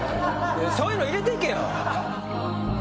そういうの入れていけよ。